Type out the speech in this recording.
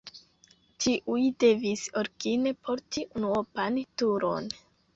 Tiuj devis origine porti unuopan turon.